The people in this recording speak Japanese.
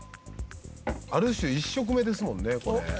ある種１食目ですもんねこれ。